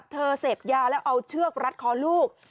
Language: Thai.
เสพยาแล้วเอาเชือกรัดคอลูก